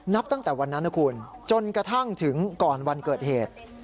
นับตั้งแต่วันนั้นนะคุณจนกระทั่งถึงก่อนวันเกิดเหตุ